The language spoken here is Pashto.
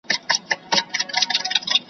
پیغام ته لومړۍ درجه او کلماتو ,